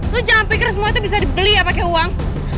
lo jangan pikir semua itu bisa dibeli ya pakai uang